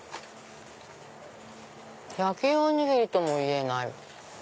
焼きおにぎりともいえない。